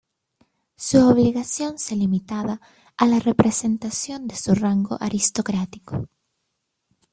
Su obligación se limitaba a la representación de su rango aristocrático.